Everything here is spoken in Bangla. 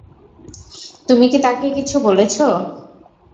তুমি কি তাকে কিছু বলছো?